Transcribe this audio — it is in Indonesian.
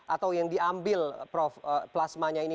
atau yang diambil prof plasmanya ini